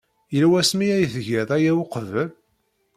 Yella wasmi ay tgiḍ aya uqbel?